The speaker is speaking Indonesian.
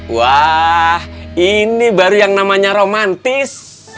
wah ini baru yang namanya romantis